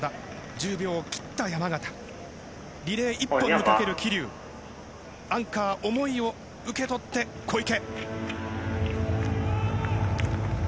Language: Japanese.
１０秒を切った山縣リレー、１本にかける桐生アンカー思いを受け取って小池。